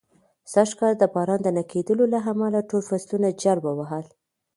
سږ کال د باران د نه کېدلو له امله، ټول فصلونه جل و وهل.